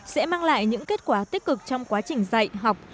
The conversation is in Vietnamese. sẽ mang lại những kết quả tích cực trong quá trình dạy học